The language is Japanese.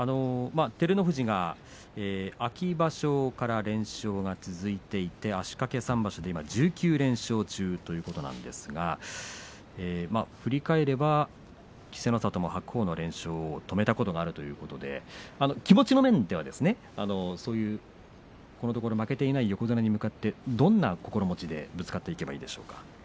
照ノ富士が秋場所から連勝が続いていて足掛け３場所で今１９連勝中ということなんですが振り返れば稀勢の里も白鵬の連勝を止めたことがあるということで気持ちの面ではこのところ負けていない横綱に向かって、どんな心持ちでぶつかっていけばいいでしょうか。